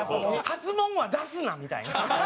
「初モンは出すな」みたいな。